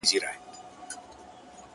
درباندي راسي دېوان په ډله -